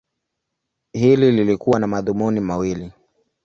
Hili lilikuwa na madhumuni mawili.